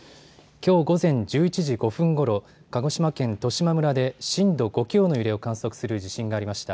きょう午前１１時５分ごろ、鹿児島県十島村で震度５強の揺れを観測する地震がありました。